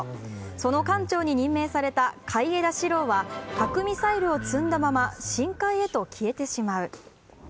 その艦長に任命された海江田四郎は核ミサイルを積んだまま深海へと消えてしまう。